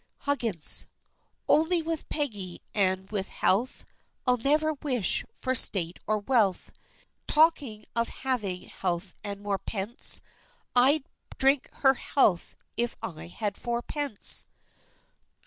HUGGINS. Only with Peggy and with health, I'd never wish for state or wealth; Talking of having health and more pence, I'd drink her health if I had fourpence!